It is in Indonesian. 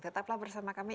tetaplah bersama kami